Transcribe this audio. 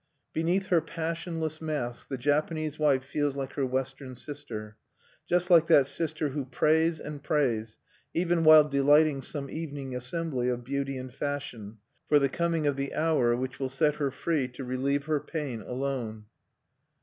Beneath her passionless mask the Japanese wife feels like her Western sister, just like that sister who prays and prays, even while delighting some evening assembly of beauty and fashion, for the coming of the hour which will set her free to relieve her pain alone.